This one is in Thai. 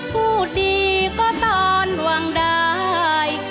พูดดีก็ตอนวางได้